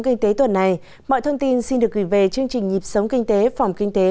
kinh tế tuần này mọi thông tin xin được gửi về chương trình nhịp sống kinh tế phòng kinh tế